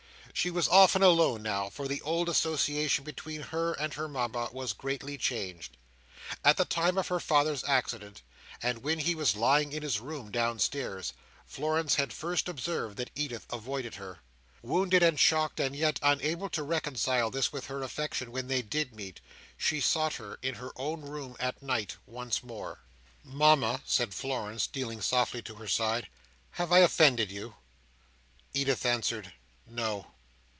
She was often alone now, for the old association between her and her Mama was greatly changed. At the time of her father's accident, and when he was lying in his room downstairs, Florence had first observed that Edith avoided her. Wounded and shocked, and yet unable to reconcile this with her affection when they did meet, she sought her in her own room at night, once more. "Mama," said Florence, stealing softly to her side, "have I offended you?" Edith answered "No."